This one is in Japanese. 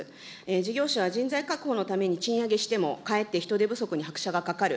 事業者は人材確保のために賃上げしても、かえって人手不足に拍車がかかる。